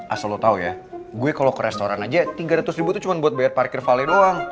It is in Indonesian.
asal lo tau ya gue kalau ke restoran aja rp tiga ratus ribu tuh cuma buat bayar parkir vale doang